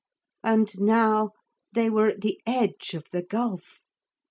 And now they were at the edge of the gulf.